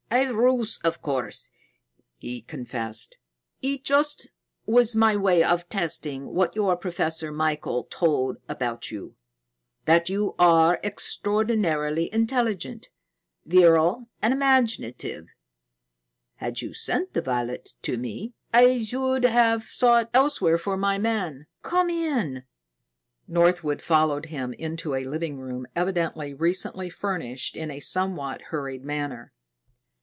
"A ruse, of course," he confessed. "It just was my way of testing what your Professor Michael told about you that you are extraordinarily intelligent, virile, and imaginative. Had you sent the wallet to me, I should have sought elsewhere for my man. Come in." Northwood followed him into a living room evidently recently furnished in a somewhat hurried manner.